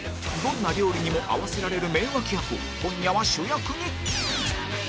どんな料理にも合わせられる名脇役を今夜は主役に